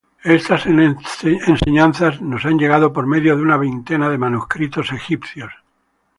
Estas enseñanzas nos han llegado por medio de una veintena de manuscritos egipcios.